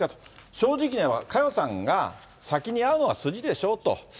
正直にいえば、佳代さんが先に会うのが筋でしょうと。